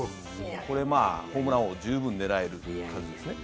これ、ホームラン王を十分狙える数ですね。